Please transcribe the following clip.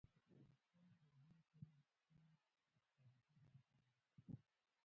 افغانستان د ژبې په اړه مشهور تاریخی روایتونه لري.